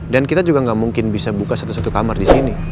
dan kita juga gak mungkin bisa buka satu satu kamar disini